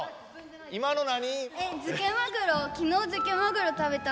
今の何？